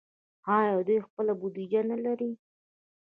آیا دوی خپله بودیجه نلري؟